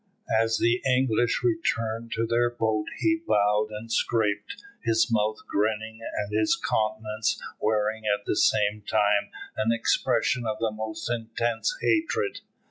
As the English returned to their boat he bowed and scraped, his mouth grinning, and his countenance wearing at the same time an expression of the most intense hatred.